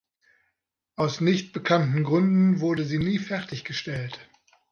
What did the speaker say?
Aus nicht bekannten gründen wurde sie nie fertiggestellt.